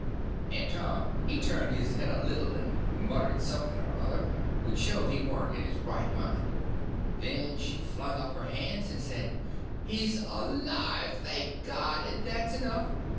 And Tom he turned his head a little, and muttered something or other, which showed he warn't in his right mind; then she flung up her hands, and says: "He's alive, thank God! And that's enough!"